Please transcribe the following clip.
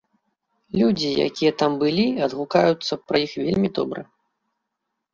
Людзі, якія там былі, адгукаюцца пра іх вельмі добра.